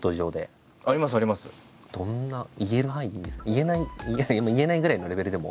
言えない言えないぐらいのレベルでも。